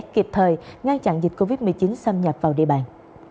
kịp thời ngăn chặn dịch covid một mươi chín xâm nhập vào địa bàn